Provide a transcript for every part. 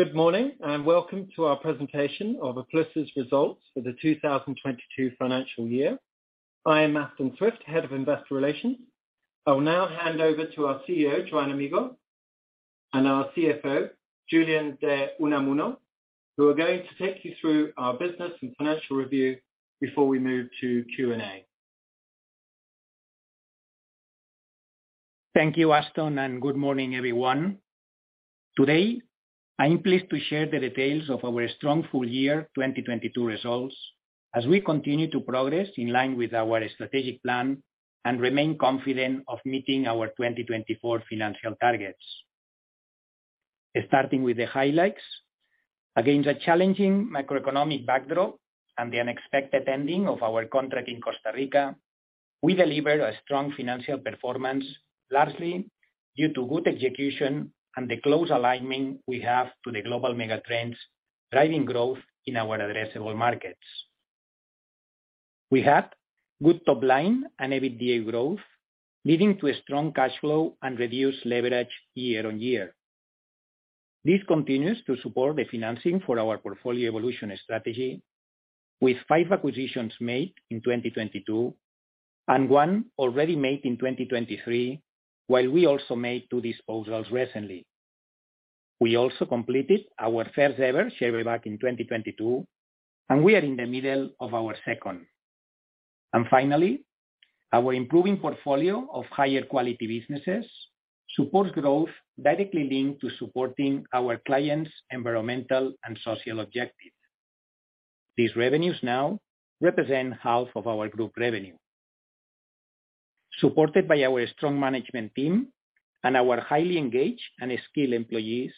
Good morning, and welcome to our presentation of Applus' results for the 2022 financial year. I am Aston Swift, Head of Investor Relations. I will now hand over to our CEO, Joan Amigó, and our CFO, Julián de Unamuno, who are going to take you through our business and financial review before we move to Q&A. Thank you, Aston. Good morning, everyone. Today, I'm pleased to share the details of our strong full year 2022 results as we continue to progress in line with our strategic plan and remain confident of meeting our 2024 financial targets. Starting with the highlights. Against a challenging macroeconomic backdrop and the unexpected ending of our contract in Costa Rica, we delivered a strong financial performance, largely due to good execution and the close alignment we have to the global mega trends driving growth in our addressable markets. We had good top line and EBITDA growth, leading to a strong cash flow and reduced leverage year-on-year. This continues to support the financing for our portfolio evolution strategy, with 5 acquisitions made in 2022 and 1 already made in 2023, while we also made 2 disposals recently. We also completed our first-ever share buyback in 2022, and we are in the middle of our second. Finally, our improving portfolio of higher quality businesses supports growth directly linked to supporting our clients' environmental and social objectives. These revenues now represent half of our group revenue. Supported by our strong management team and our highly engaged and skilled employees,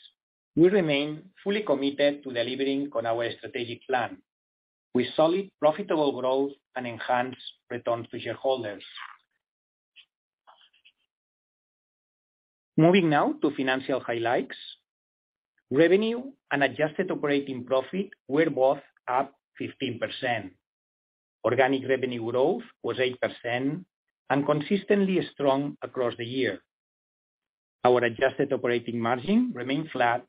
we remain fully committed to delivering on our strategic plan with solid, profitable growth and enhanced returns to shareholders. Moving now to financial highlights. Revenue and adjusted operating profit were both up 15%. Organic revenue growth was 8% and consistently strong across the year. Our adjusted operating margin remained flat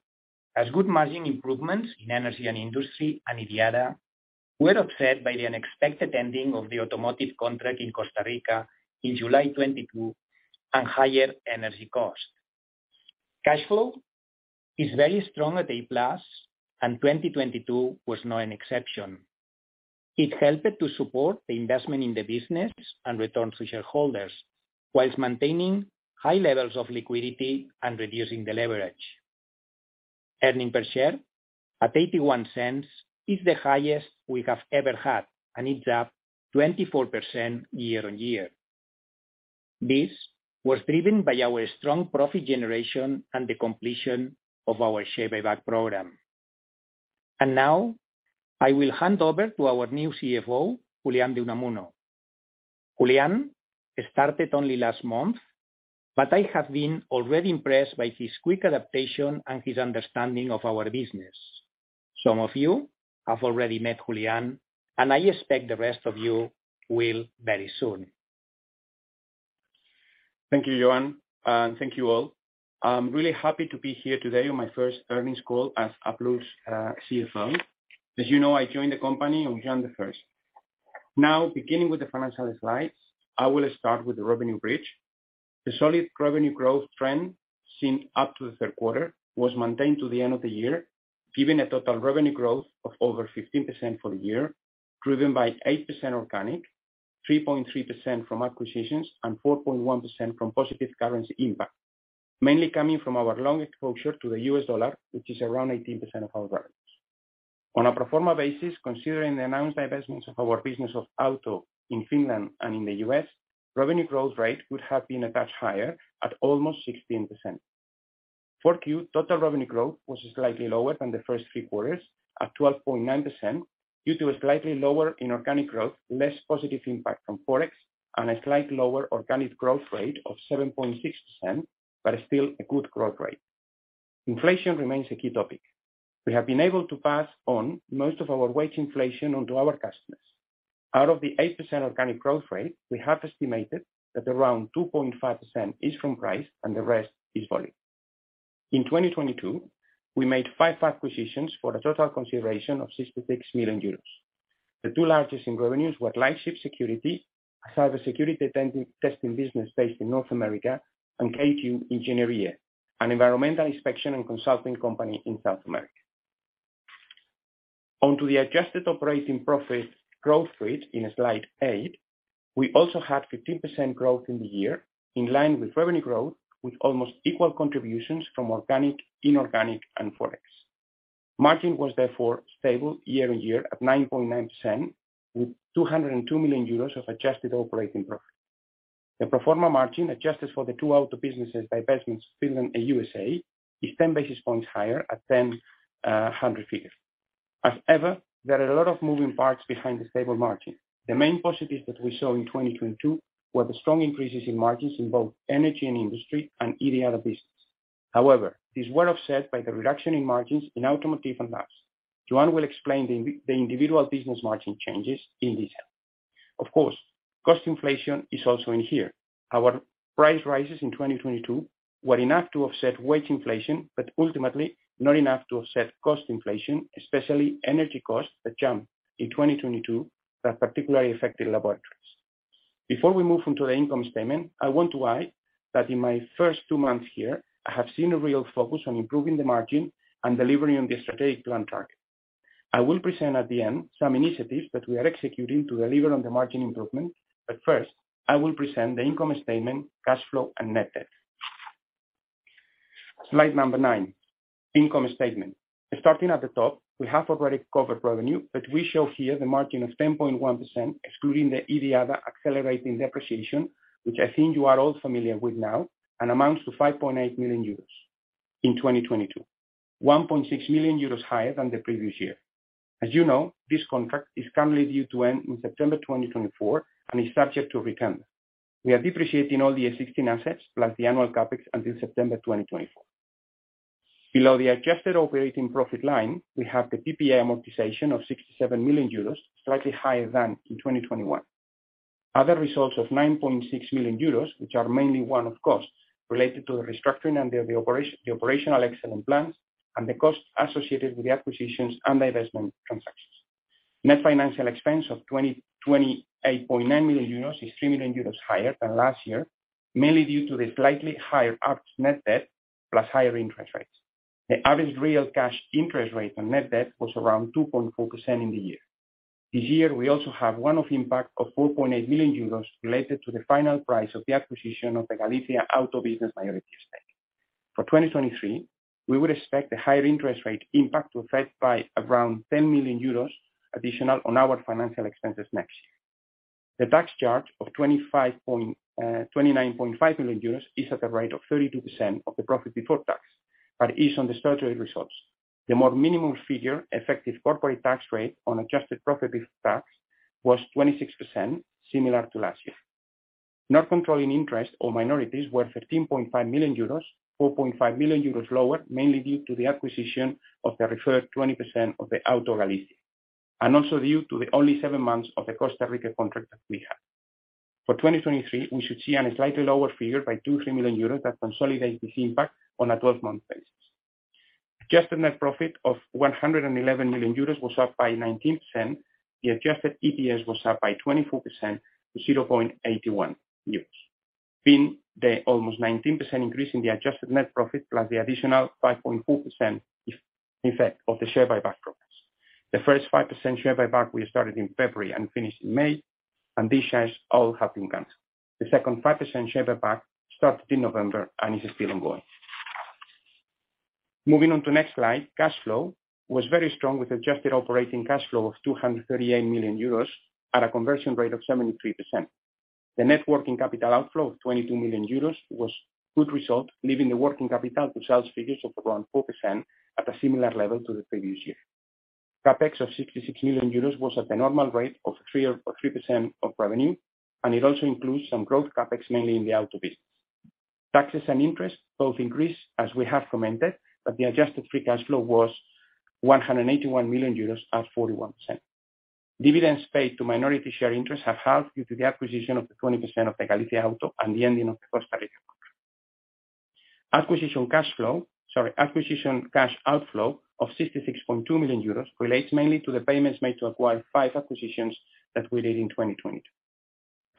as good margin improvements in Energy & Industry and IDIADA were offset by the unexpected ending of the automotive contract in Costa Rica in July 2022 and higher energy costs. Cash flow is very strong at Applus+, 2022 was no exception. It helped to support the investment in the business and return to shareholders while maintaining high levels of liquidity and reducing the leverage. Earnings per share at 0.81 is the highest we have ever had, and it's up 24% year-on-year. This was driven by our strong profit generation and the completion of our share buyback program. Now I will hand over to our new CFO, Julián de Unamuno. Julián started only last month, but I have been already impressed by his quick adaptation and his understanding of our business. Some of you have already met Julián, and I expect the rest of you will very soon. Thank you, Joan, and thank you all. I'm really happy to be here today on my first earnings call as Applus CFO. As you know, I joined the company on January first. Beginning with the financial slides, I will start with the revenue bridge. The solid revenue growth trend seen up to the third quarter was maintained to the end of the year, giving a total revenue growth of over 15% for the year, driven by 8% organic, 3.3% from acquisitions, and 4.1% from positive currency impact, mainly coming from our long exposure to the US dollar, which is around 18% of our earnings. On a pro forma basis, considering the announced divestments of our business of Auto in Finland and in the U.S., revenue growth rate would have been a touch higher at almost 16%. For Q, total revenue growth was slightly lower than the first 3 quarters at 12.9% due to a slightly lower inorganic growth, less positive impact from Forex, and a slight lower organic growth rate of 7.6%, but still a good growth rate. Inflation remains a key topic. We have been able to pass on most of our wage inflation onto our customers. Out of the 8% organic growth rate, we have estimated that around 2.5% is from price and the rest is volume. In 2022, we made 5 acquisitions for a total consideration of 66 million euros. The 2 largest in revenues were Lightship Security, a cybersecurity testing business based in North America, and K2 Ingeniería, an environmental inspection and consulting company in South America. On to the adjusted operating profit growth rate in slide 8. We also had 15% growth in the year in line with revenue growth, with almost equal contributions from organic, inorganic, and Forex. Margin was therefore stable year on year at 9.9%, with 202 million euros of adjusted operating profit. The pro forma margin, adjusted for the 2 out of businesses divestments, Finland and USA, is 10 basis points higher at 100 figures. As ever, there are a lot of moving parts behind the stable margin. The main positives that we saw in 2022 were the strong increases in margins in both Energy & Industry and IDIADA business. These were offset by the reduction in margins in automotive and Labs. Joan will explain the individual business margin changes in detail. Of course, cost inflation is also in here. Our price rises in 2022 were enough to offset wage inflation, but ultimately not enough to offset cost inflation, especially energy costs that jumped in 2022 that particularly affected laboratories. Before we move on to the income statement, I want to add that in my first two months here, I have seen a real focus on improving the margin and delivering on the strategic plan target. I will present at the end some initiatives that we are executing to deliver on the margin improvement, but first, I will present the income statement, cash flow and net debt. Slide number 9, income statement. Starting at the top, we have already covered revenue, but we show here the margin of 10.1% excluding the EBITDA accelerating depreciation, which I think you are all familiar with now, and amounts to 5.8 million euros in 2022. 1.6 million euros higher than the previous year. As you know, this contract is currently due to end in September 2024 and is subject to retender. We are depreciating all the existing assets plus the annual CapEx until September 2024. Below the adjusted operating profit line, we have the PPA amortization of 67 million euros, slightly higher than in 2021. Other results of 9.6 million euros, which are mainly one-off costs related to the restructuring under the operational excellence plans and the costs associated with the acquisitions and divestment transactions. Net financial expense of 28.9 million euros is 3 million euros higher than last year, mainly due to the slightly higher arts net debt plus higher interest rates. The average real cash interest rate on net debt was around 2.4% in the year. This year, we also have one-off impact of 4.8 million euros related to the final price of the acquisition of the Auto Galicia minority stake. 2023, we would expect the higher interest rate impact to affect by around 10 million euros additional on our financial expenses next year. The tax charge of 29.5 million euros is at a rate of 32% of the profit before tax, but ease on the statutory results. The more minimal figure effective corporate tax rate on adjusted profit before tax was 26%, similar to last year. Non-controlling interest or minorities were 13.5 million euros, 4.5 million euros lower, mainly due to the acquisition of the referred 20% of the Auto Galicia, due to the only seven months of the Costa Rica contract that we have. For 2023, we should see an slightly lower figure by 2 million-3 million euros that consolidates this impact on a 12-month basis. Adjusted net profit of 111 million euros was up by 19%. The adjusted EPS was up by 24% to 0.81 euros. Being the almost 19% increase in the adjusted net profit plus the additional 5.4% effect of the share buyback programs. The first 5% share buyback we started in February and finished in May, and these shares all have been canceled. The second 5% share buyback started in November and is still ongoing. Moving on to next slide, cash flow was very strong with adjusted operating cash flow of 238 million euros at a conversion rate of 73%. The net working capital outflow of 22 million euros was good result, leaving the working capital to sales figures of around 4% at a similar level to the previous year. CapEx of 66 million euros was at the normal rate of 3% or 3% of revenue. It also includes some growth CapEx, mainly in the Auto business. Taxes and interest both increased as we have commented. The adjusted free cash flow was 181 million euros at 41%. Dividends paid to minority share interests have helped due to the acquisition of the 20% of the Auto Galicia and the ending of the Costa Rica contract. Acquisition cash flow, sorry, acquisition cash outflow of 66.2 million euros relates mainly to the payments made to acquire five acquisitions that we did in 2022.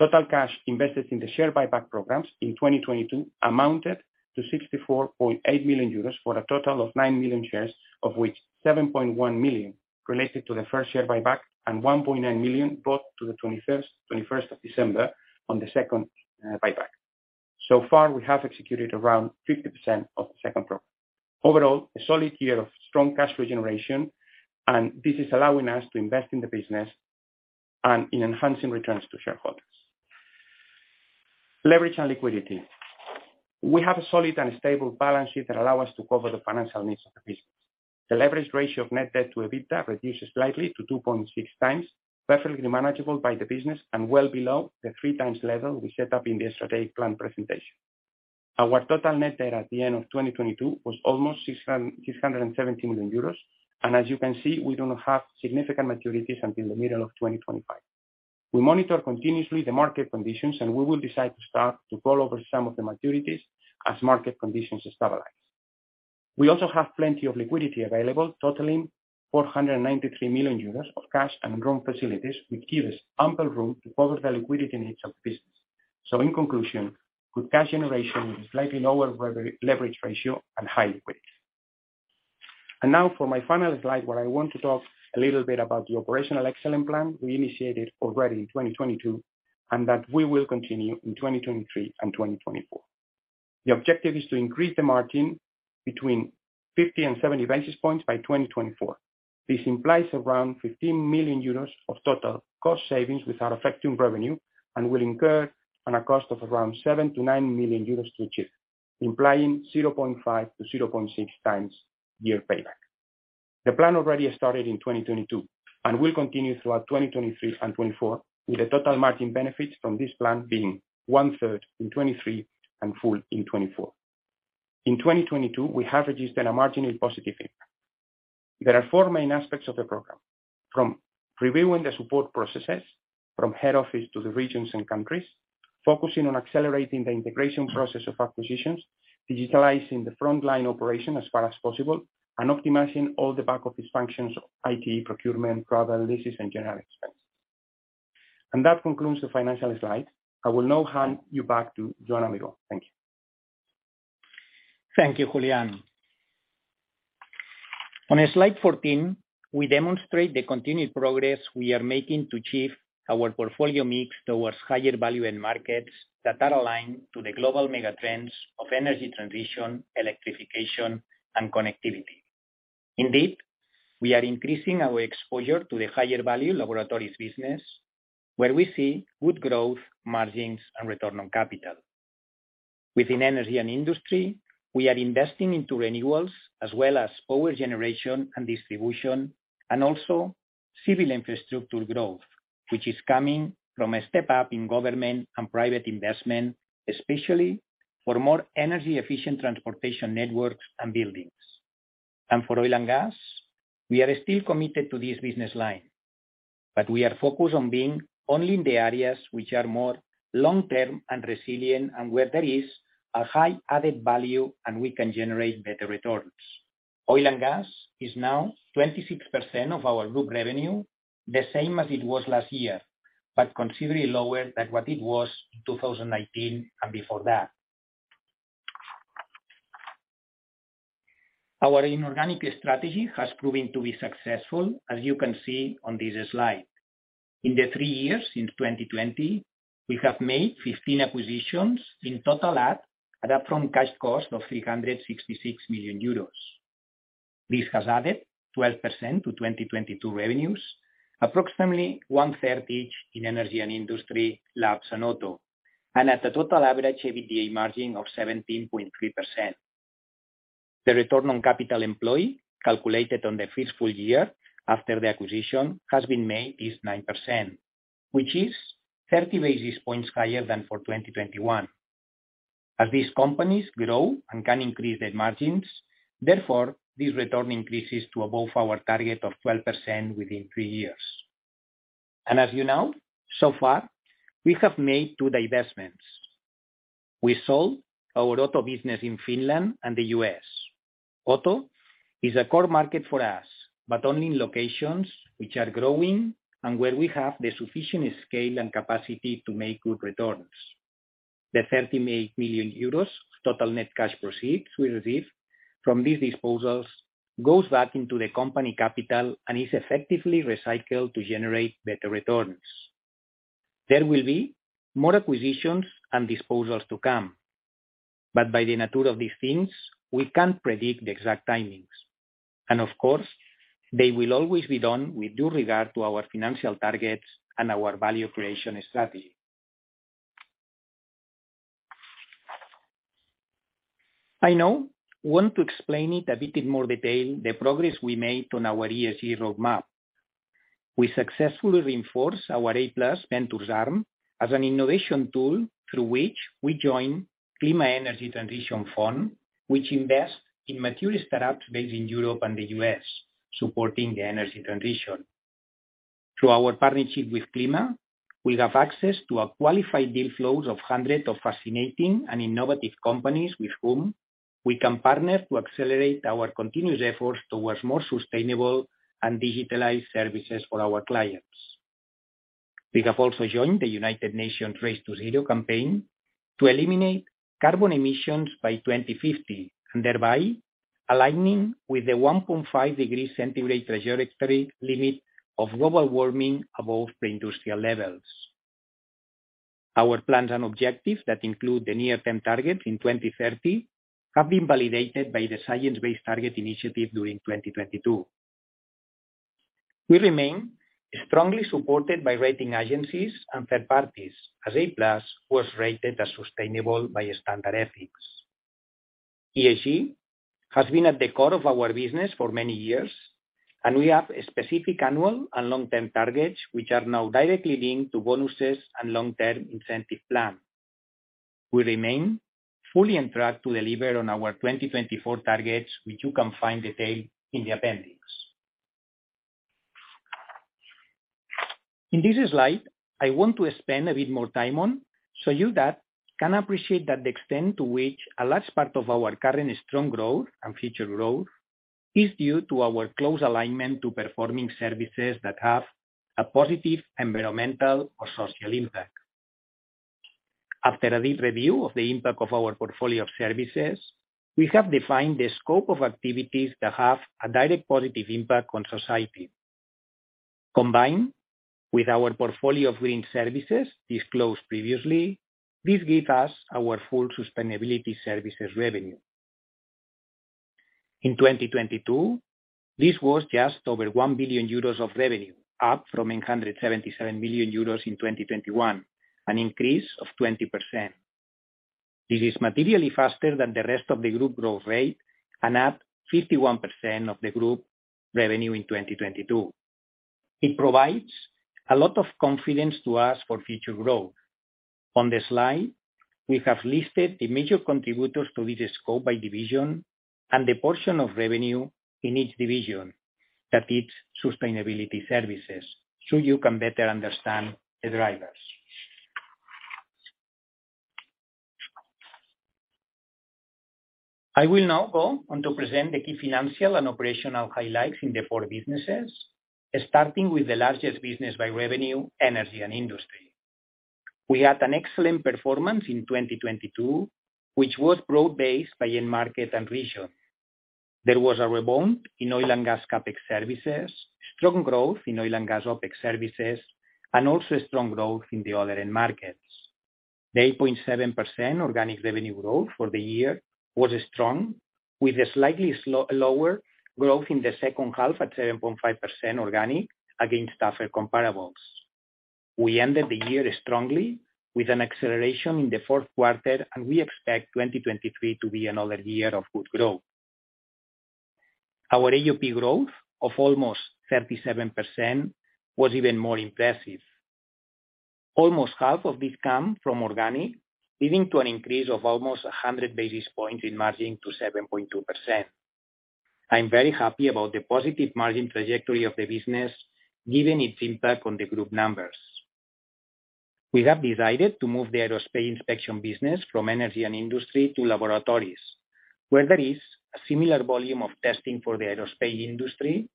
Total cash invested in the share buyback programs in 2022 amounted to 64.8 million euros for a total of 9 million shares, of which 7.1 million related to the first share buyback and 1.9 million bought to the 21st of December on the second buyback. Far, we have executed around 50% of the second program. Overall, a solid year of strong cash free generation, this is allowing us to invest in the business and in enhancing returns to shareholders. Leverage and liquidity. We have a solid and stable balance sheet that allow us to cover the financial needs of the business. The leverage ratio of net debt to EBITDA reduced slightly to 2.6 times, perfectly manageable by the business and well below the 3 times level we set up in the strategic plan presentation. Our total net debt at the end of 2022 was almost 670 million euros, and as you can see, we do not have significant maturities until the middle of 2025. We monitor continuously the market conditions, and we will decide to start to roll over some of the maturities as market conditions stabilize. We also have plenty of liquidity available, totaling 493 million euros of cash and loan facilities, which give us ample room to cover the liquidity needs of the business. In conclusion, good cash generation with a slightly lower leverage ratio and high liquidity. Now for my final slide, where I want to talk a little bit about the operational excellence plan we initiated already in 2022, and that we will continue in 2023 and 2024. The objective is to increase the margin between 50 and 70 basis points by 2024. This implies around 15 million euros of total cost savings without affecting revenue and will incur on a cost of around 7 million-9 million euros to achieve, implying 0.5-0.6 times year payback. The plan already started in 2022 and will continue throughout 2023 and 2024, with the total margin benefits from this plan being one-third in 2023 and full in 2024. In 2022, we have registered a marginally positive effect. There are four main aspects of the program, from reviewing the support processes from head office to the regions and countries, focusing on accelerating the integration process of acquisitions, digitalizing the front line operation as far as possible, and optimizing all the back office functions, IT, procurement, travel, leases, and general expense. That concludes the financial slide. I will now hand you back to Joan Amigó. Thank you. Thank you, Julián. On slide 14, we demonstrate the continued progress we are making to achieve our portfolio mix towards higher value-end markets that are aligned to the global mega trends of energy transition, electrification, and connectivity. Indeed, we are increasing our exposure to the higher value laboratories business, where we see good growth, margins and return on capital. Within Energy & Industry, we are investing into renewals as well as power generation and distribution, and also civil infrastructure growth, which is coming from a step up in government and private investment, especially for more energy efficient transportation networks and buildings. For oil and gas, we are still committed to this business line, but we are focused on being only in the areas which are more long-term and resilient and where there is a high added value and we can generate better returns. Oil and gas is now 26% of our group revenue, the same as it was last year, considerably lower than what it was in 2019 and before that. Our inorganic strategy has proven to be successful, as you can see on this slide. In the 3 years since 2020, we have made 15 acquisitions in total at a cash cost of 366 million euros. This has added 12% to 2022 revenues, approximately one-third each in Energy & Industry, labs and Auto, and at a total average EBITDA margin of 17.3%. The return on capital employee, calculated on the first full year after the acquisition has been made, is 9%, which is 30 basis points higher than for 2021. As these companies grow and can increase their margins, therefore, this return increases to above our target of 12% within three years. As you know, so far, we have made two divestments. We sold our Auto business in Finland and the U.S. Auto is a core market for us, but only in locations which are growing and where we have the sufficient scale and capacity to make good returns. The 38 million euros total net cash proceeds we receive from these disposals goes back into the company capital and is effectively recycled to generate better returns. There will be more acquisitions and disposals to come. By the nature of these things, we can't predict the exact timings. Of course, they will always be done with due regard to our financial targets and our value creation strategy. I now want to explain it a bit in more detail, the progress we made on our ESG roadmap. We successfully reinforced our Applus+ Ventures arm as an innovation tool through which we join Klima Energy Transition Fund, which invests in mature startups based in Europe and the U.S., supporting the energy transition. Through our partnership with Klima, we have access to a qualified deal flows of hundreds of fascinating and innovative companies with whom we can partner to accelerate our continuous efforts towards more sustainable and digitalized services for our clients. We have also joined the United Nations Race to Zero campaign to eliminate carbon emissions by 2050, and thereby aligning with the 1.5 degree centigrade trajectory limit of global warming above the industrial levels. Our plans and objectives that include the near-term target in 2030 have been validated by the Science Based Targets initiative during 2022. We remain strongly supported by rating agencies and third parties as Applus+ was rated as sustainable by Standard Ethics. ESG has been at the core of our business for many years, and we have specific annual and long-term targets which are now directly linked to bonuses and long-term incentive plan. We remain fully on track to deliver on our 2024 targets, which you can find detailed in the appendix. In this slide, I want to spend a bit more time on, so you that can appreciate that the extent to which a large part of our current strong growth and future growth is due to our close alignment to performing services that have a positive environmental or social impact. After a deep review of the impact of our portfolio of services, we have defined the scope of activities that have a direct positive impact on society. Combined with our portfolio of green services disclosed previously, this gives us our full sustainability services revenue. In 2022, this was just over 1 billion euros of revenue, up from 877 million euros in 2021, an increase of 20%. This is materially faster than the rest of the group growth rate and at 51% of the group revenue in 2022. It provides a lot of confidence to us for future growth. On this slide, we have listed the major contributors to this scope by division and the portion of revenue in each division that is sustainability services, so you can better understand the drivers. I will now go on to present the key financial and operational highlights in the four businesses, starting with the largest business by revenue, Energy & Industry. We had an excellent performance in 2022, which was broad-based by end market and region. There was a rebound in oil and gas CapEx services, strong growth in oil and gas OpEx services, and also strong growth in the other end markets. The 8.7% organic revenue growth for the year was strong, with a slightly lower growth in the second half at 7.5% organic against tougher comparables. We ended the year strongly with an acceleration in the fourth quarter. We expect 2023 to be another year of good growth. Our AUP growth of almost 37% was even more impressive. Almost half of this come from organic, leading to an increase of almost 100 basis points in margin to 7.2%. I'm very happy about the positive margin trajectory of the business, given its impact on the group numbers. We have decided to move the aerospace inspection business from Energy & Industry to Laboratories, where there is a similar volume of testing for the aerospace industry.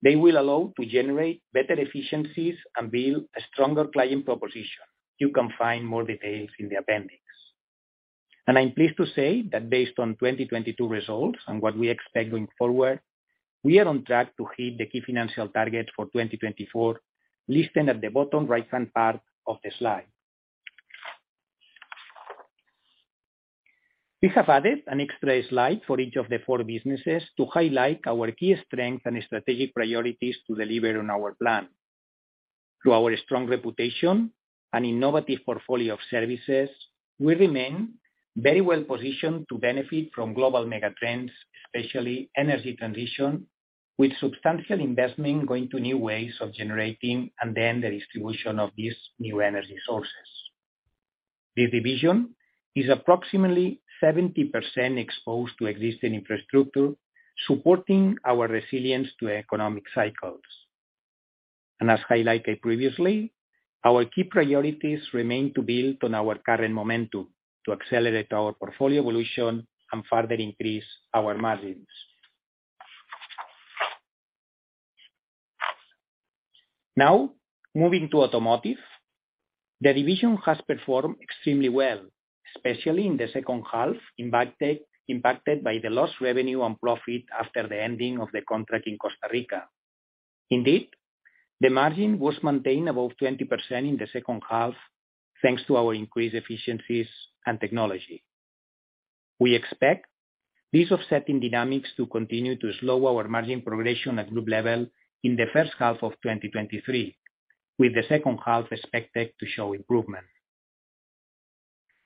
They will allow to generate better efficiencies and build a stronger client proposition. You can find more details in the appendix. I'm pleased to say that based on 2022 results and what we expect going forward, we are on track to hit the key financial targets for 2024, listed at the bottom right-hand part of the slide. We have added an extra slide for each of the four businesses to highlight our key strengths and strategic priorities to deliver on our plan. Through our strong reputation and innovative portfolio of services, we remain very well-positioned to benefit from global mega trends, especially energy transition, with substantial investment going to new ways of generating and then the distribution of these new energy sources. The division is approximately 70% exposed to existing infrastructure, supporting our resilience to economic cycles. As highlighted previously, our key priorities remain to build on our current momentum to accelerate our portfolio evolution and further increase our margins. Now, moving to automotive. The division has performed extremely well, especially in the second half, impacted by the lost revenue and profit after the ending of the contract in Costa Rica. Indeed, the margin was maintained above 20% in the second half, thanks to our increased efficiencies and technology. We expect these offsetting dynamics to continue to slow our margin progression at group level in the first half of 2023, with the second half expected to show improvement.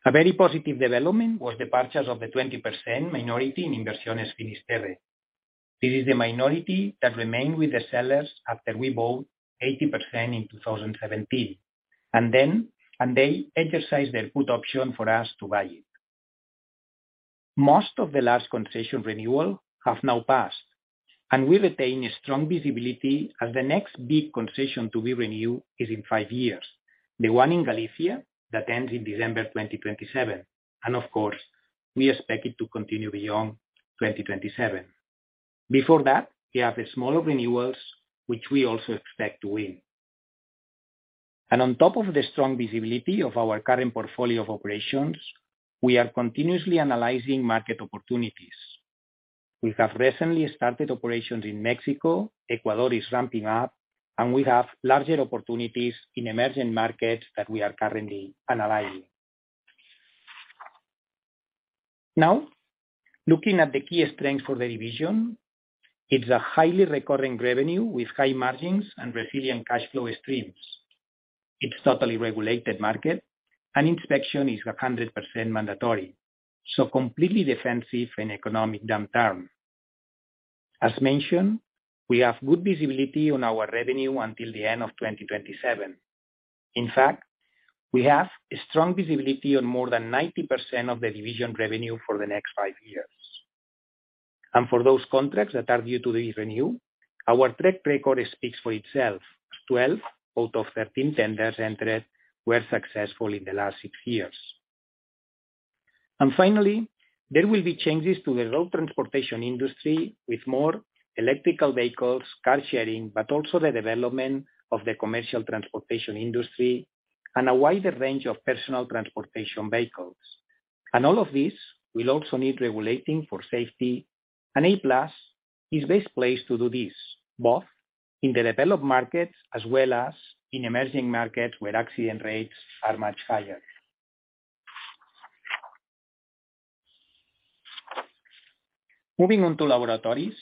A very positive development was the purchase of the 20% minority in Inversiones Finisterre. It is the minority that remained with the sellers after we bought 80% in 2017, and they exercised their put option for us to buy it. Most of the last concession renewal have now passed, and we retain a strong visibility as the next big concession to be renewed is in five years, the one in Galicia that ends in December 2027. Of course, we expect it to continue beyond 2027. Before that, we have the smaller renewals which we also expect to win. On top of the strong visibility of our current portfolio of operations, we are continuously analyzing market opportunities. We have recently started operations in Mexico, Ecuador is ramping up, and we have larger opportunities in emerging markets that we are currently analyzing. Looking at the key strengths for the division, it's a highly recurring revenue with high margins and resilient cash flow streams. It's totally regulated market, and inspection is 100% mandatory, so completely defensive in economic downturn. As mentioned, we have good visibility on our revenue until the end of 2027. In fact, we have strong visibility on more than 90% of the division revenue for the next five years. For those contracts that are due to the renew, our track record speaks for itself. 12 out of 13 tenders entered were successful in the last 6 years. Finally, there will be changes to the road transportation industry with more electrical vehicles, car sharing, but also the development of the commercial transportation industry and a wider range of personal transportation vehicles. All of this will also need regulating for safety, and Applus+ is best placed to do this, both in the developed markets as well as in emerging markets where accident rates are much higher. Moving on to laboratories.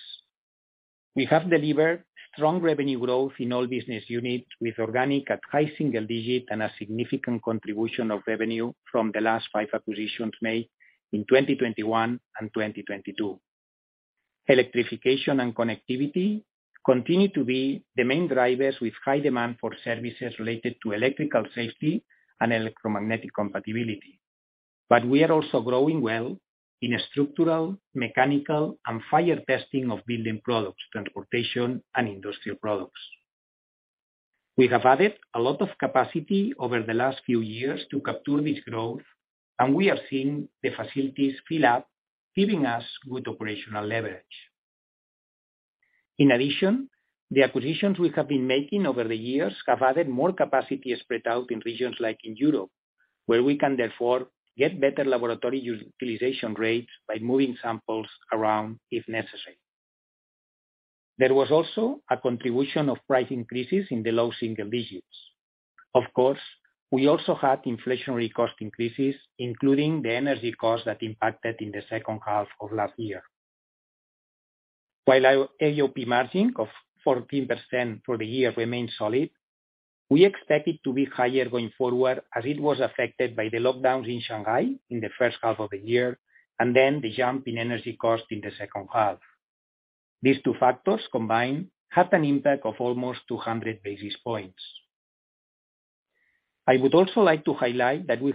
We have delivered strong revenue growth in all business units with organic at high single-digit % and a significant contribution of revenue from the last 5 acquisitions made in 2021 and 2022. Electrification and connectivity continue to be the main drivers with high demand for services related to electrical safety and electromagnetic compatibility. We are also growing well in structural, mechanical, and fire testing of building products, transportation, and industrial products. We have added a lot of capacity over the last few years to capture this growth, and we are seeing the facilities fill up, giving us good operational leverage. In addition, the acquisitions we have been making over the years have added more capacity spread out in regions like in Europe, where we can therefore get better laboratory utilization rates by moving samples around if necessary. There was also a contribution of price increases in the low single digits. Of course, we also had inflationary cost increases, including the energy costs that impacted in the second half of last year. While our AOP margin of 14% for the year remained solid, we expect it to be higher going forward as it was affected by the lockdowns in Shanghai in the first half of the year, and then the jump in energy cost in the second half. These two factors combined had an impact of almost 200 basis points. I would also like to highlight that we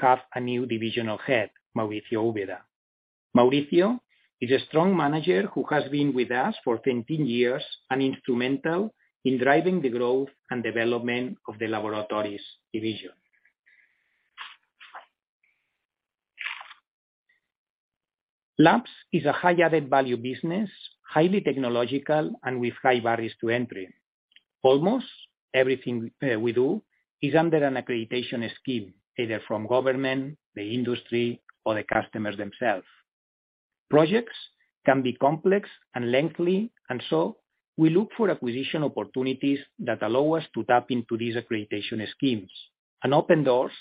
have a new divisional head, Mauricio Úbeda. Mauricio is a strong manager who has been with us for 20 years, and instrumental in driving the growth and development of the Laboratories Division. Labs is a high added value business, highly technological, and with high barriers to entry. Almost everything we do is under an accreditation scheme, either from government, the industry, or the customers themselves. Projects can be complex and lengthy. We look for acquisition opportunities that allow us to tap into these accreditation schemes and open doors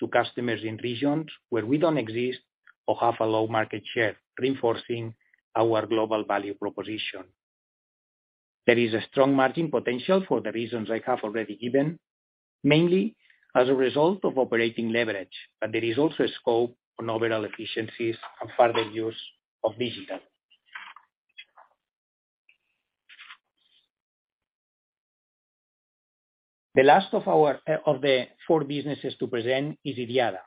to customers in regions where we don't exist or have a low market share, reinforcing our global value proposition. There is a strong margin potential for the reasons I have already given, mainly as a result of operating leverage, but there is also scope on overall efficiencies and further use of digital. The last of our, of the four businesses to present is IDIADA.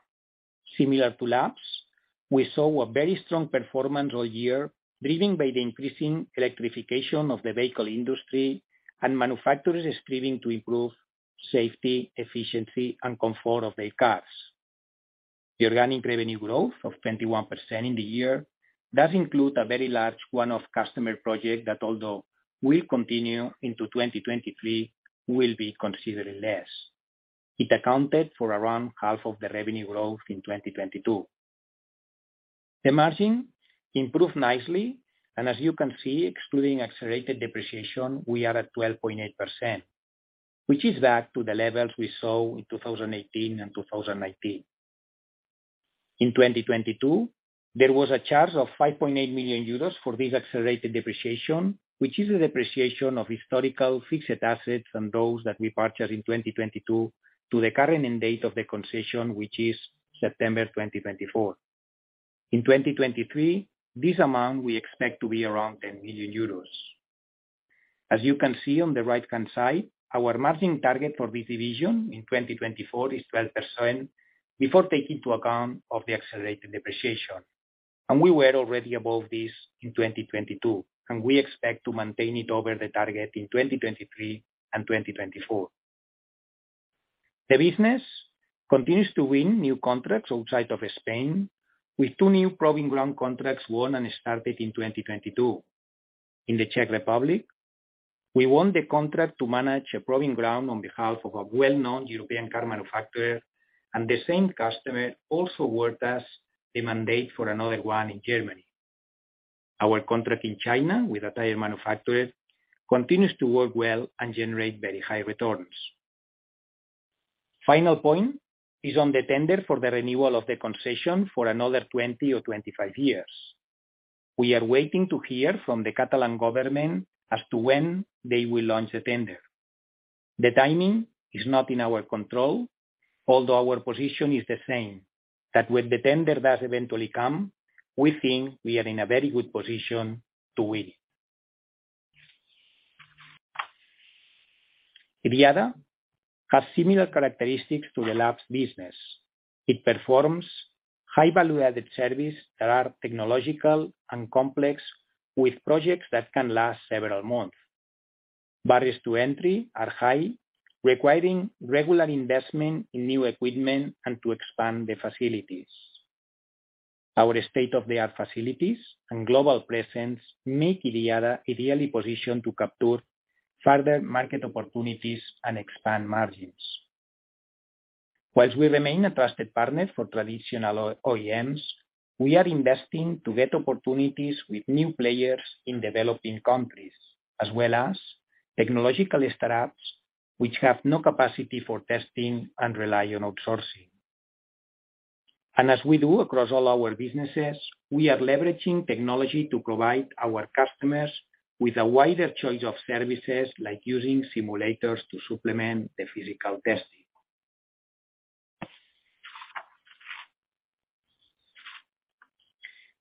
Similar to labs, we saw a very strong performance all year, driven by the increasing electrification of the vehicle industry and manufacturers striving to improve safety, efficiency, and comfort of their cars. The organic revenue growth of 21% in the year does include a very large one-off customer project that although will continue into 2023, will be considerably less. It accounted for around half of the revenue growth in 2022. As you can see, excluding accelerated depreciation, we are at 12.8%, which is back to the levels we saw in 2018 and 2019. In 2022, there was a charge of 5.8 million euros for this accelerated depreciation, which is the depreciation of historical fixed assets and those that we purchased in 2022 to the current end date of the concession, which is September 2024. In 2023, this amount we expect to be around 10 million euros. As you can see on the right-hand side, our margin target for this division in 2024 is 12% before taking into account of the accelerated depreciation. We were already above this in 2022, and we expect to maintain it over the target in 2023 and 2024. The business continues to win new contracts outside of Spain, with two new proving ground contracts won and started in 2022. In the Czech Republic, we won the contract to manage a proving ground on behalf of a well-known European car manufacturer, and the same customer also awarded us the mandate for another one in Germany. Our contract in China with a tire manufacturer continues to work well and generate very high returns. Final point is on the tender for the renewal of the concession for another 20 or 25 years. We are waiting to hear from the Catalan Government as to when they will launch the tender. The timing is not in our control, although our position is the same, that when the tender does eventually come, we think we are in a very good position to win. IDIADA has similar characteristics to the labs business. It performs high value-added service that are technological and complex, with projects that can last several months. Barriers to entry are high, requiring regular investment in new equipment and to expand the facilities. Our state-of-the-art facilities and global presence make IDIADA ideally positioned to capture further market opportunities and expand margins. Whilst we remain a trusted partner for traditional OEMs, we are investing to get opportunities with new players in developing countries, as well as technological startups which have no capacity for testing and rely on outsourcing. As we do across all our businesses, we are leveraging technology to provide our customers with a wider choice of services like using simulators to supplement the physical testing.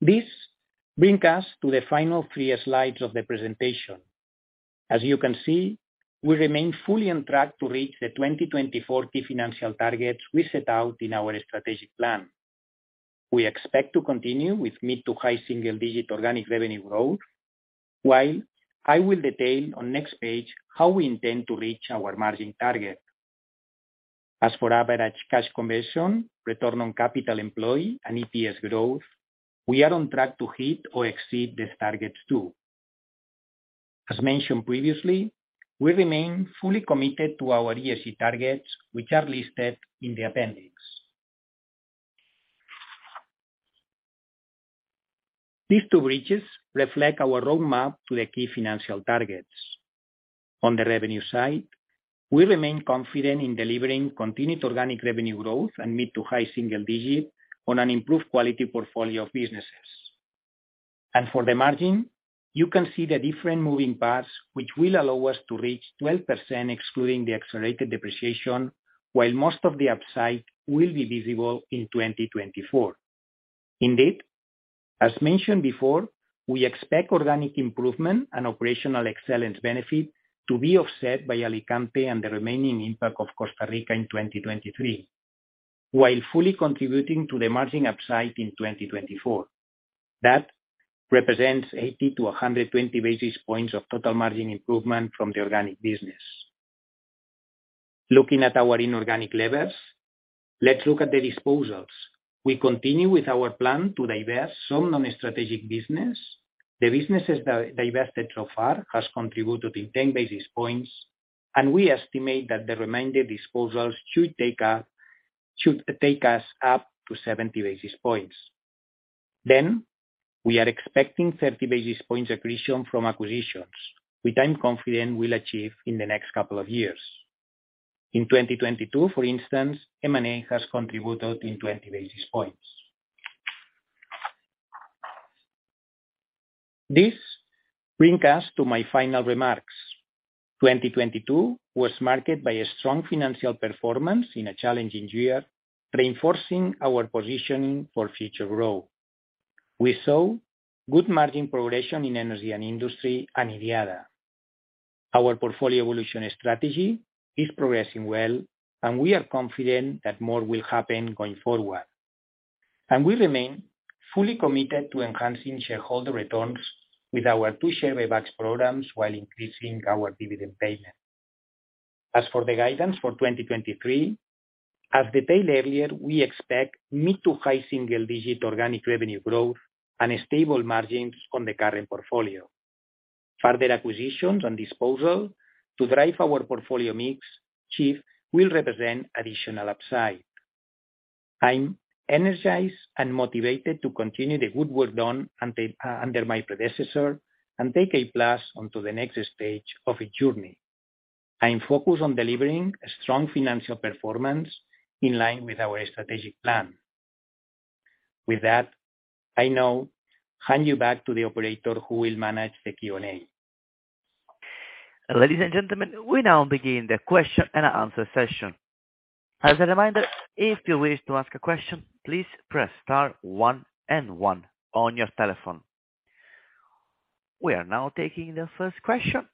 This bring us to the final three slides of the presentation. As you can see, we remain fully on track to reach the 2020 2040 financial targets we set out in our strategic plan. We expect to continue with mid to high single-digit organic revenue growth, while I will detail on next page how we intend to reach our margin target. As for average cash conversion, return on capital employee and EPS growth, we are on track to hit or exceed these targets too. As mentioned previously, we remain fully committed to our ESG targets, which are listed in the appendix. These two bridges reflect our roadmap to the key financial targets. On the revenue side, we remain confident in delivering continued organic revenue growth and mid to high single-digit on an improved quality portfolio of businesses. For the margin, you can see the different moving parts, which will allow us to reach 12% excluding the accelerated depreciation, while most of the upside will be visible in 2024. Indeed, as mentioned before, we expect organic improvement and operational excellence benefit to be offset by Alicante and the remaining impact of Costa Rica in 2023, while fully contributing to the margin upside in 2024. That represents 80-120 basis points of total margin improvement from the organic business. Looking at our inorganic levers, let's look at the disposals. We continue with our plan to divest some non-strategic business. The businesses divested so far has contributed in 10 basis points, and we estimate that the remainder disposals should take us up to 70 basis points. We are expecting 30 basis points accretion from acquisitions, which I'm confident we'll achieve in the next couple of years. In 2022, for instance, M&A has contributed in 20 basis points. This bring us to my final remarks. 2022 was marked by a strong financial performance in a challenging year, reinforcing our positioning for future growth. We saw good margin progression in Energy & Industry and IDIADA. Our portfolio evolution strategy is progressing well, and we are confident that more will happen going forward. We remain fully committed to enhancing shareholder returns with our 2 share buybacks programs while increasing our dividend payment. As for the guidance for 2023, as detailed earlier, we expect mid to high single-digit organic revenue growth and stable margins on the current portfolio. Acquisitions and disposal to drive our portfolio mix shift will represent additional upside. I'm energized and motivated to continue the good work done until under my predecessor and take Applus+ onto the next stage of its journey. I am focused on delivering a strong financial performance in line with our strategic plan. I now hand you back to the operator who will manage the Q&A. Ladies and gentlemen, we now begin the question and answer session. As a reminder, if you wish to ask a question, please press star one and one on your telephone. We are now taking the first question,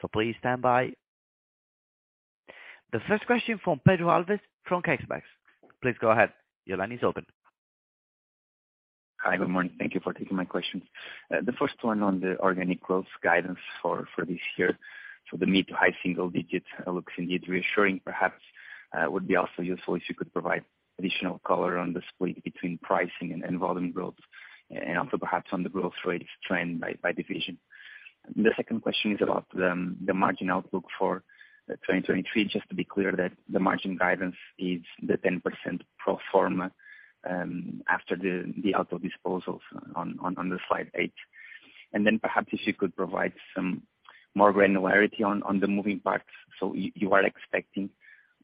so please stand by. The first question from Pedro Alves from CaixaBank. Please go ahead. Your line is open. Hi. Good morning. Thank you for taking my questions. The first one on the organic growth guidance for this year. The mid to high single digits looks indeed reassuring, perhaps, would be also useful if you could provide additional color on the split between pricing and volume growth and also perhaps on the growth rate trend by division. The second question is about the margin outlook for 2023. Just to be clear that the margin guidance is the 10% pro forma, after the Auto disposals on slide 8. Then perhaps if you could provide some more granularity on the moving parts. You are expecting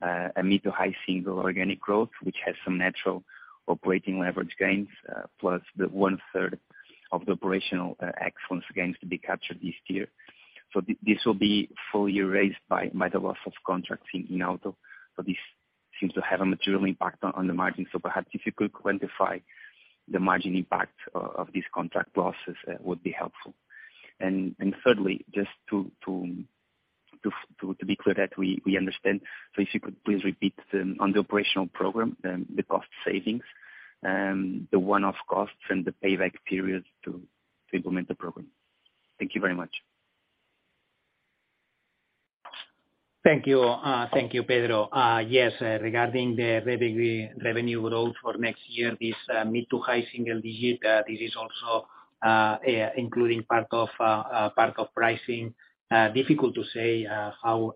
a mid to high single organic growth, which has some natural operating leverage gains, plus the one-third of the operational excellence gains to be captured this year. This will be fully erased by the loss of contracts in Auto. This seems to have a material impact on the margin. Perhaps if you could quantify the margin impact of this contract losses would be helpful. Thirdly, just to be clear that we understand. If you could please repeat on the operational program, the cost savings, the one-off costs and the payback period to implement the program. Thank you very much. Thank you. Thank you, Pedro. Yes, regarding the revenue growth for next year, this mid to high single-digit %, this is also including part of pricing. Difficult to say how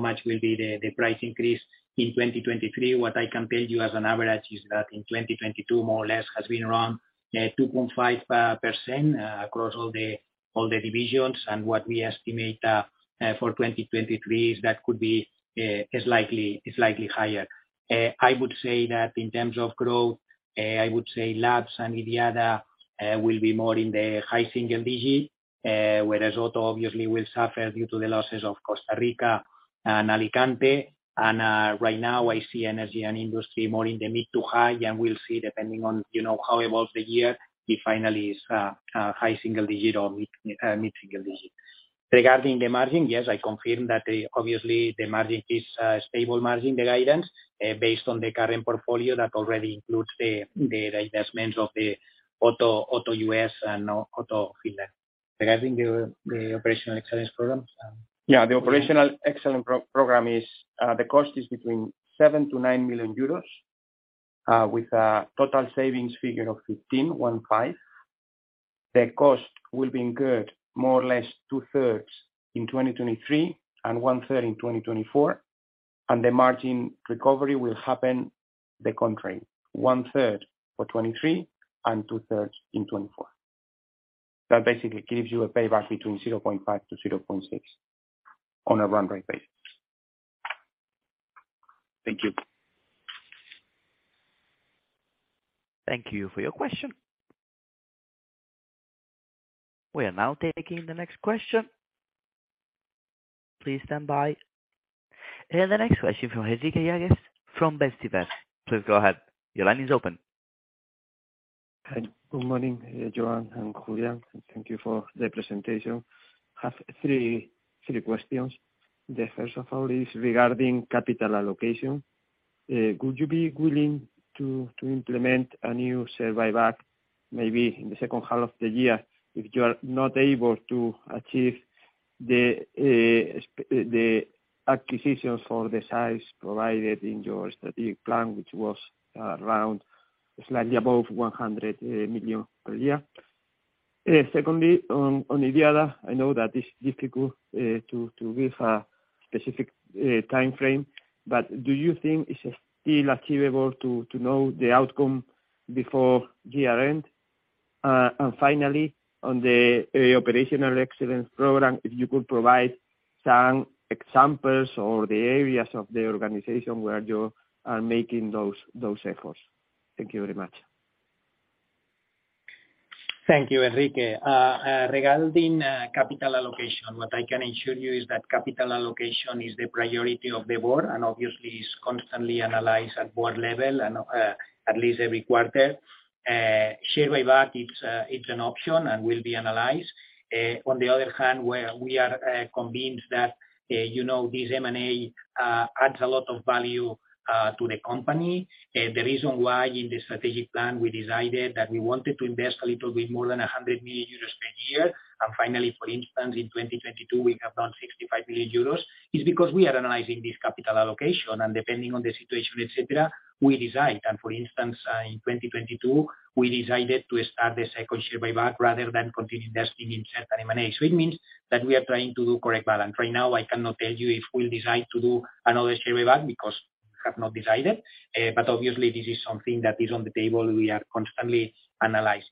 much will be the price increase in 2023. What I can tell you as an average is that in 2022, more or less, has been around 2.5% across all the divisions. What we estimate for 2023 is that could be slightly higher. I would say Labs and IDIADA will be more in the high single-digit %, whereas Auto obviously will suffer due to the losses of Costa Rica and Alicante. Right now I see Energy & Industry more in the mid to high, and we'll see, depending on, you know, how it was the year, if finally is a high single digit or mid-single digit. Regarding the margin, yes, I confirm that the, obviously the margin is a stable margin, the guidance, based on the current portfolio that already includes the investments of the Auto US and Auto Finland. Regarding the operational excellence programs. Yeah, the operational excellent pro-program is, the cost is between 7 million-9 million euros, with a total savings figure of 15 million. The cost will be incurred more or less two thirds in 2023 and one third in 2024. The margin recovery will happen the contrary, one third for 2023 and two thirds in 2024. That basically gives you a payback between 0.5-0.6 on a run rate basis. Thank you. Thank you for your question. We are now taking the next question. Please stand by. The next question from Enrique Dupuy de Lôme from Bestinver. Please go ahead. Your line is open. Hi. Good morning, Joan and Julián. Thank you for the presentation. I have three questions. The first of all is regarding capital allocation. Could you be willing to implement a new share buyback, maybe in the second half of the year, if you are not able to achieve the acquisitions for the size provided in your strategic plan, which was around slightly above 100 million per year? Secondly, on IDIADA, I know that it's difficult to give a specific timeframe, but do you think it's still achievable to know the outcome before year end? Finally, on the operational excellence program, if you could provide some examples or the areas of the organization where you are making those efforts. Thank you very much. Thank you, Enrique. Regarding capital allocation, what I can assure you is that capital allocation is the priority of the Board, obviously is constantly analyzed at Board level and at least every quarter. Share buyback, it's an option and will be analyzed. On the other hand, where we are convinced that, you know, this M&A adds a lot of value to the company. The reason why in the strategic plan we decided that we wanted to invest a little bit more than 100 million euros per year, finally, for instance, in 2022, we have done 65 million euros, is because we are analyzing this capital allocation. Depending on the situation, et cetera, we decide. For instance, in 2022, we decided to start the second share buyback rather than continue investing in share and M&A. It means that we are trying to do correct balance. Right now, I cannot tell you if we'll decide to do another share buyback because we have not decided, but obviously this is something that is on the table, we are constantly analyzing.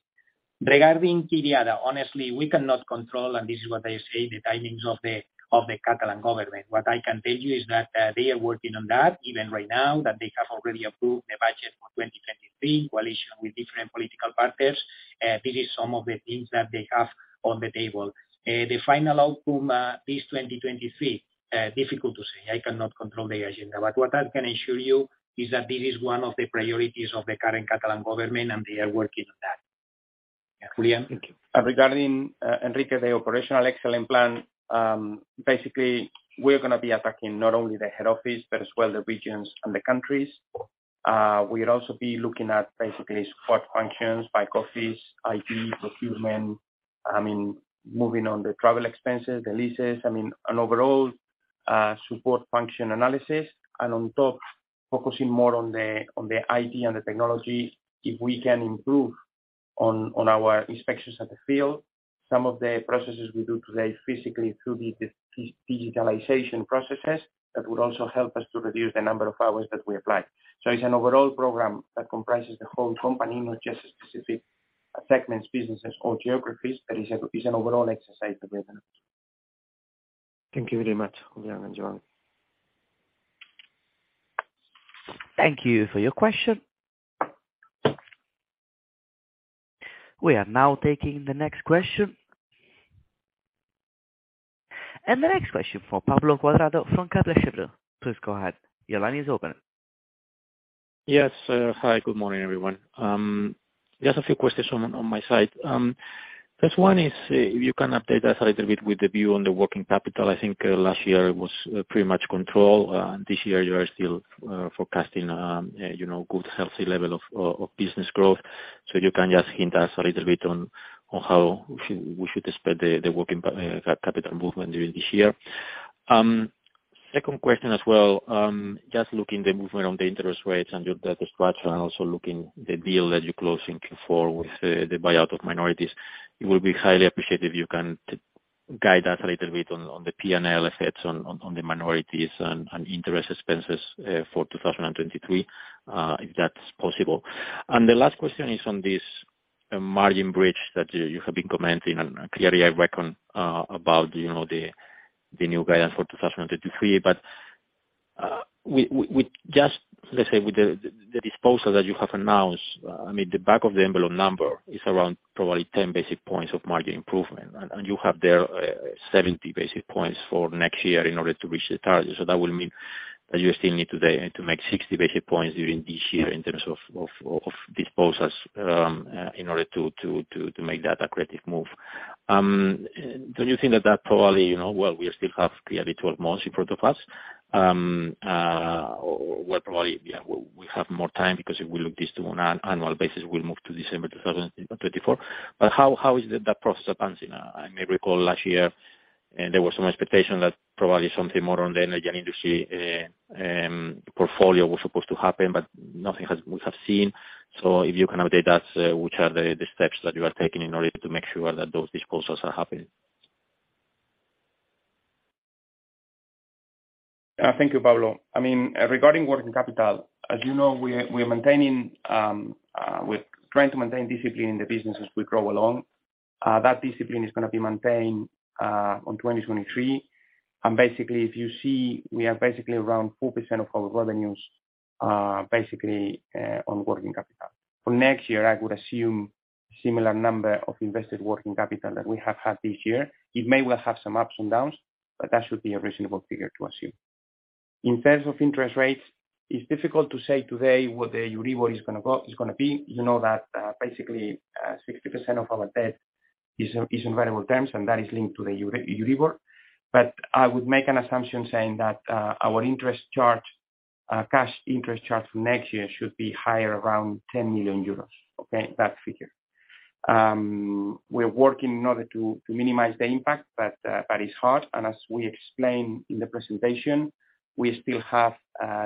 Regarding IDIADA, honestly, we cannot control, and this is what I say, the timings of the Catalan Government. What I can tell you is that they are working on that even right now, that they have already approved the budget for 2023, coalition with different political partners. This is some of the things that they have on the table. The final outcome, this 2023, difficult to say. I cannot control the agenda. What I can assure you is that this is one of the priorities of the current Catalan Government, and they are working on that. Yeah. Julián? Thank you. Regarding Enrique, the Operational Excellent Plan, basically we're gonna be attacking not only the head office, but as well the regions and the countries. We'll also be looking at basically support functions, back office, IT, procurement, I mean, moving on the travel expenses, the leases, I mean, an overall support function analysis. On top, focusing more on the IT and the technology, if we can improve on our inspections at the field, some of the processes we do today physically through the digitalization processes, that would also help us to reduce the number of hours that we apply. It's an overall program that comprises the whole company, not just specific segments, businesses or geographies, but it's an overall exercise that we're doing. Thank you very much, Julián and Joan Amigó. Thank you for your question. We are now taking the next question. The next question from Pablo Cuadrado from CaixaBank. Please go ahead. Your line is open. Yes. Hi, good morning, everyone. Just a few questions on my side. First one is, if you can update us a little bit with the view on the working capital. I think, last year it was pretty much controlled. This year you are still forecasting, you know, good healthy level of business growth. You can just hint us a little bit on how we should expect the working capital movement during this year. Second question as well, just looking the movement on the interest rates and your debt structure and also looking the deal that you're closing for with the buyout of minorities, it will be highly appreciated if you can guide us a little bit on the P&L effects on the minorities and interest expenses for 2023, if that's possible. The last question is on this margin bridge that you have been commenting on, clearly I reckon, about, you know, the new guidance for 2023. But we just, let's say with the disposal that you have announced, I mean, the back of the envelope number is around probably 10 basic points of margin improvement. You have there, 70 basic points for next year in order to reach the target. That will mean that you still need today to make 60 basic points during this year in terms of disposals, in order to make that aggressive move. Don't you think that that probably, you know, well, we still have the other 12 months in front of us, we're probably, yeah, we have more time because if we look this to an annual basis, we'll move to December 2024. How is that process advancing? I may recall last year, and there was some expectation that probably something more on the Energy & Industry portfolio was supposed to happen, but nothing has we have seen. if you can update us, which are the steps that you are taking in order to make sure that those disposals are happening? Thank you, Pablo. I mean, regarding working capital, as you know, we're maintaining, we're trying to maintain discipline in the business as we grow along. That discipline is gonna be maintained on 2023. Basically, if you see, we are basically around 4% of our revenues, basically, on working capital. For next year, I would assume similar number of invested working capital that we have had this year. It may well have some ups and downs, but that should be a reasonable figure to assume. In terms of interest rates, it's difficult to say today what the Euribor is gonna be. You know that, basically, 60% of our debt is in variable terms, and that is linked to the Euribor. I would make an assumption saying that our interest charge, cash interest charge for next year should be higher, around 10 million euros, okay? That figure. We're working in order to minimize the impact, but it's hard. As we explained in the presentation, we still have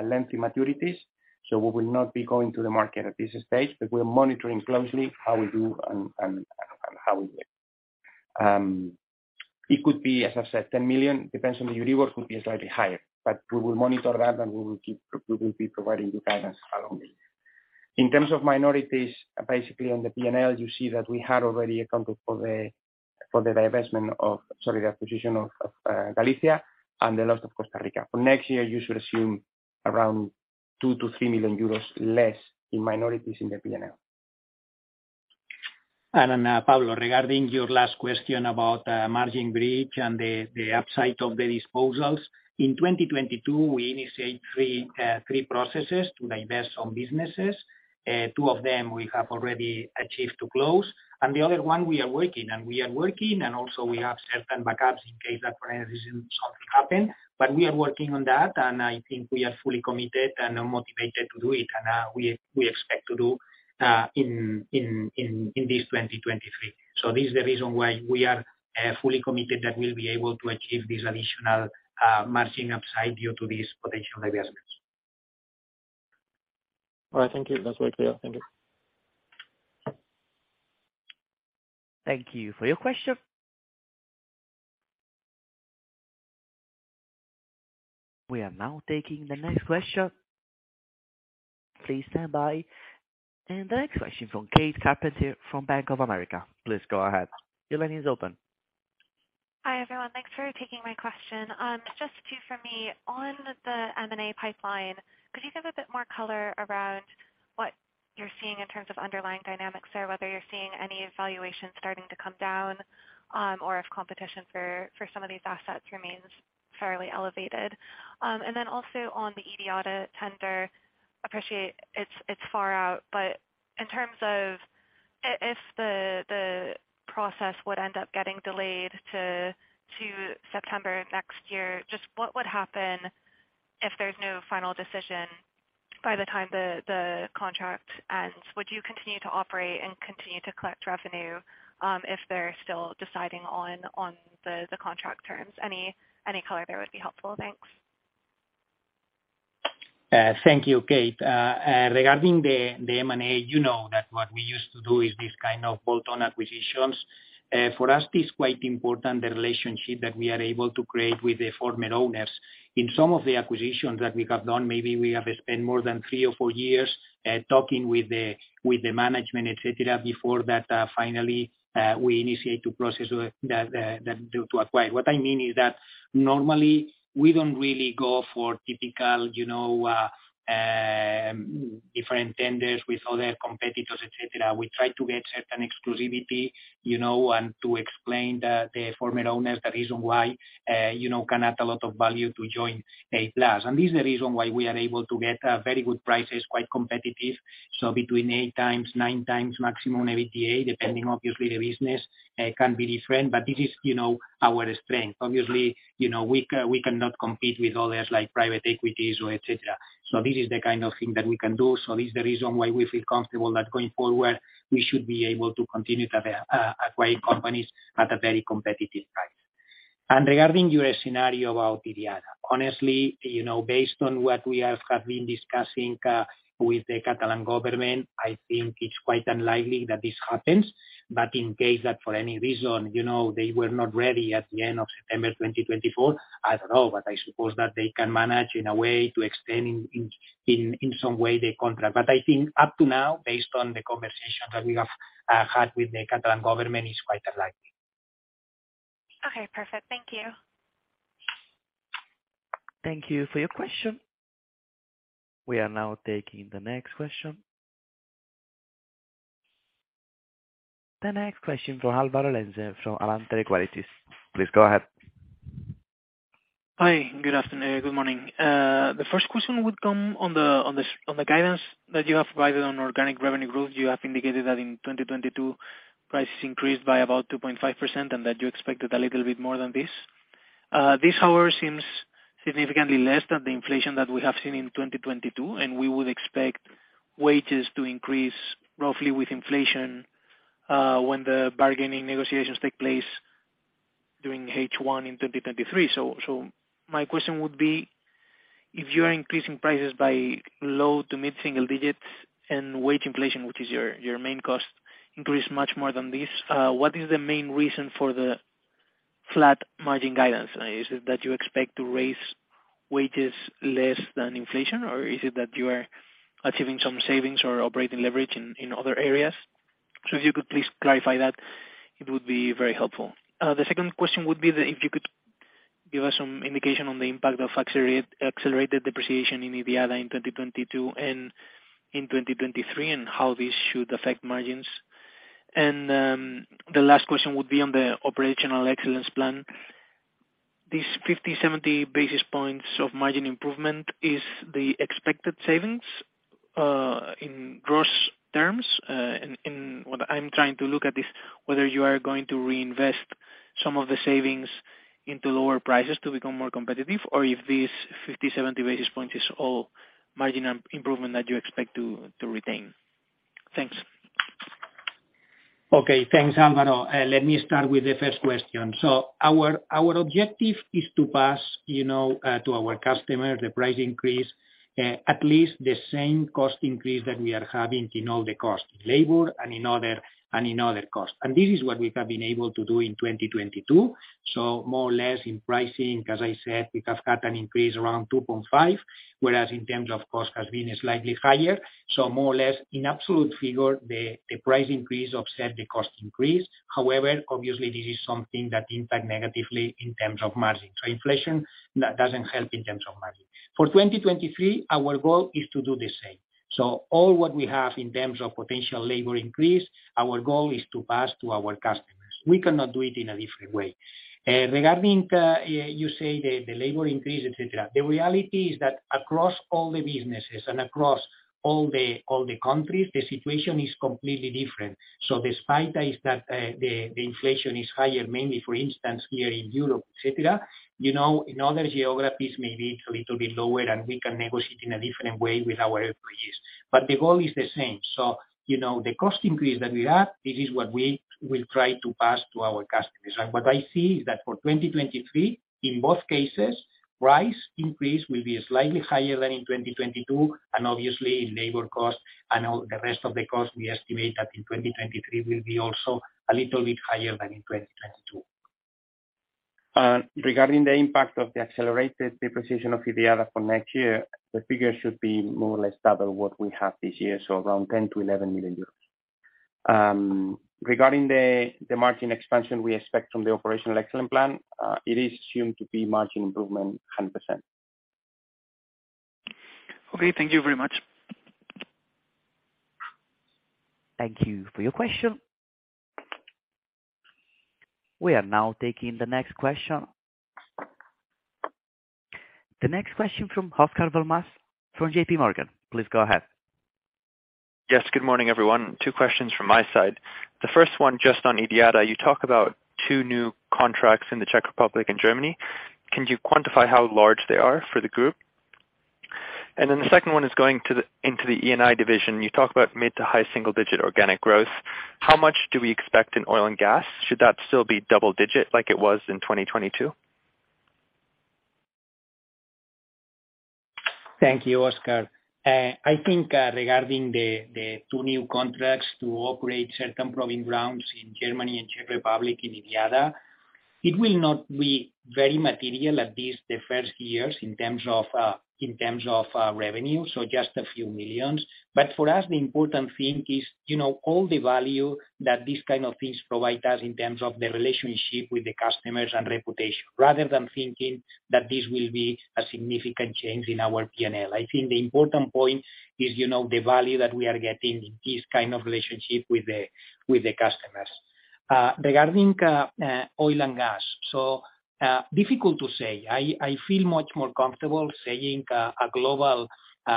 lengthy maturities, so we will not be going to the market at this stage. We're monitoring closely how we do and how we do it. It could be, as I said, 10 million. Depends on the Euribor, it could be slightly higher. We will monitor that, and we will be providing the guidance along the way. In terms of minorities, basically on the P&L, you see that we had already accounted for the divestment of, sorry, the acquisition of Galicia and the loss of Costa Rica. For next year, you should assume around 2 million-3 million euros less in minorities in the P&L. Pablo, regarding your last question about margin bridge and the upside of the disposals. In 2022, we initiate three processes to divest some businesses. Two of them we have already achieved to close, and the other one we are working, and also we have certain backups in case that for any reason something happen. We are working on that, and I think we are fully committed and are motivated to do it, and we expect to do in this 2023. This is the reason why we are fully committed that we'll be able to achieve this additional margin upside due to these potential divestments. All right. Thank you. That's very clear. Thank you. Thank you for your question. We are now taking the next question. Please stand by. The next question from Kate Carpenter from Bank of America. Please go ahead. Your line is open. Hi, everyone. Thanks for taking my question. just a few from me. On the M&A pipeline, could you give a bit more color around what you're seeing in terms of underlying dynamics there, whether you're seeing any evaluations starting to come down, or if competition for some of these assets remains fairly elevated? Then also on the IDIADA tender, appreciate it's far out, but in terms of if the process would end up getting delayed to September next year, just what would happen if there's no final decision by the time the contract ends? Would you continue to operate and continue to collect revenue, if they're still deciding on the contract terms? Any color there would be helpful. Thanks. Thank you, Kate. regarding the M&A, you know that what we used to do is this kind of bolt-on acquisitions. For us, it is quite important, the relationship that we are able to create with the former owners. In some of the acquisitions that we have done, maybe we have spent more than three or four years, talking with the management, et cetera, before that, finally, we initiate to process to acquire. What I mean is that normally we don't really go for typical, you know, different tenders with other competitors, et cetera. We try to get certain exclusivity, you know, and to explain the former owners the reason why, you know, can add a lot of value to join Applus+. This is the reason why we are able to get very good prices, quite competitive. Between 8 times, 9 times maximum EBITDA, depending obviously the business, can be different, but this is, you know, our strength. Obviously, you know, we cannot compete with others like private equities or et cetera. This is the kind of thing that we can do. This is the reason why we feel comfortable that going forward, we should be able to continue to acquiring companies at a very competitive price. Regarding your scenario about IDIADA. Honestly, you know, based on what we have been discussing with the Catalan Government, I think it's quite unlikely that this happens. In case that for any reason, you know, they were not ready at the end of September 2024, I don't know, but I suppose that they can manage in a way to extend in some way the contract. I think up to now, based on the conversation that we have had with the Catalan Government, it's quite unlikely. Okay, perfect. Thank you. Thank you for your question. We are now taking the next question. The next question from Álvaro Lenze from Alantra Equities, please go ahead. Hi, good morning. The first question would come on the guidance that you have provided on organic revenue growth. You have indicated that in 2022 prices increased by about 2.5% and that you expected a little bit more than this. This, however, seems significantly less than the inflation that we have seen in 2022, and we would expect wages to increase roughly with inflation when the bargaining negotiations take place during H1 in 2023. My question would be if you are increasing prices by low to mid-single digits and wage inflation, which is your main cost increase much more than this, what is the main reason for the flat margin guidance? Is it that you expect to raise wages less than inflation, or is it that you are achieving some savings or operating leverage in other areas? If you could please clarify that, it would be very helpful. The second question would be that if you could give us some indication on the impact of accelerated depreciation in IDIADA in 2022 and in 2023, and how this should affect margins. The last question would be on the operational excellence plan. These 50, 70 basis points of margin improvement is the expected savings in gross terms. What I'm trying to look at is whether you are going to reinvest some of the savings into lower prices to become more competitive, or if these 50, 70 basis points is all margin improvement that you expect to retain. Thanks. Okay. Thanks, Álvaro. Let me start with the first question. Our objective is to pass, you know, to our customer, the price increase, at least the same cost increase that we are having in all the costs, labor and in other costs. This is what we have been able to do in 2022. More or less in pricing, as I said, we have had an increase around 2.5%, whereas in terms of cost has been slightly higher. More or less in absolute figure the price increase offset the cost increase. However, obviously this is something that impact negatively in terms of margin. Inflation, that doesn't help in terms of margin. For 2023, our goal is to do the same. All what we have in terms of potential labor increase, our goal is to pass to our customers. We cannot do it in a different way. Regarding, you say the labor increase, et cetera. The reality is that across all the businesses and across all the countries, the situation is completely different. Despite is that, the inflation is higher, mainly for instance, here in Europe, et cetera, you know, in other geographies maybe it's a little bit lower and we can negotiate in a different way with our employees. The goal is the same. You know, the cost increase that we have, this is what we will try to pass to our customers. What I see is that for 2023, in both cases, price increase will be slightly higher than in 2022 and obviously in labor cost and all the rest of the cost, we estimate that in 2023 will be also a little bit higher than in 2022. Regarding the impact of the accelerated depreciation of IDIADA for next year, the figure should be more or less double what we have this year, so around 10 million-11 million euros. Regarding the margin expansion we expect from the operational excellence plan, it is assumed to be margin improvement 100%. Okay. Thank you very much. Thank you for your question. We are now taking the next question. The next question from Oscar Val-Mas from JPMorgan. Please go ahead. Yes, good morning, everyone. Two questions from my side. The first one, just on IDIADA. You talk about two new contracts in the Czech Republic and Germany. Can you quantify how large they are for the group? The second one is into the E&I division. You talk about mid to high single digit organic growth. How much do we expect in oil and gas? Should that still be double digit like it was in 2022? Thank you, Oscar Val-Mas. I think regarding the two new contracts to operate certain proving grounds in Germany and Czech Republic in IDIADA, it will not be very material at least the first years in terms of revenue. Just a few million. For us, the important thing is, you know, all the value that these kind of things provide us in terms of the relationship with the customers and reputation, rather than thinking that this will be a significant change in our PNL. I think the important point is, you know, the value that we are getting in this kind of relationship with the customers. Regarding oil and gas. Difficult to say. I feel much more comfortable saying a global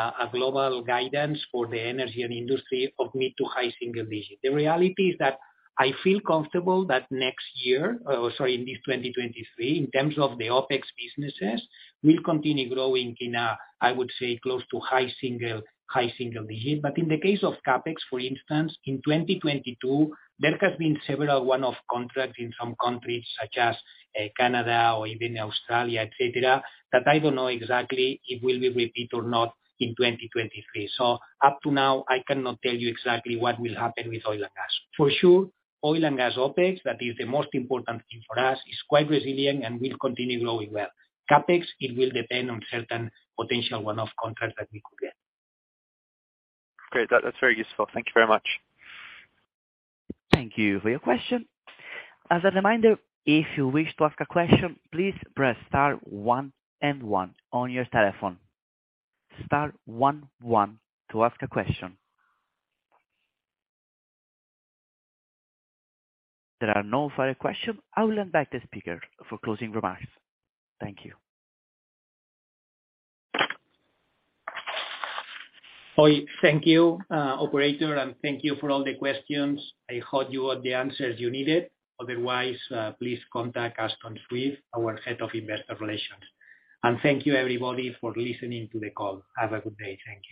guidance for the Energy & Industry of mid to high single digit. The reality is that I feel comfortable that next year, sorry, in this 2023, in terms of the OpEx businesses will continue growing in a, I would say, close to high single digit. In the case of CapEx, for instance, in 2022 there has been several one-off contracts in some countries such as Canada or even Australia, et cetera, that I don't know exactly it will be repeat or not in 2023. Up to now, I cannot tell you exactly what will happen with oil and gas. For sure, oil and gas OpEx, that is the most important thing for us, is quite resilient and will continue growing well. CapEx, it will depend on certain potential one-off contracts that we could get. Great. That's very useful. Thank you very much. Thank you for your question. As a reminder, if you wish to ask a question, please press star one and one on your telephone. Star one one to ask a question. There are no further question. I will hand back to speaker for closing remarks. Thank you. Oi. Thank you, operator. Thank you for all the questions. I hope you got the answers you needed. Otherwise, please contact us Aston Swift, our Head of Investor Relations. Thank you everybody for listening to the call. Have a good day. Thank you.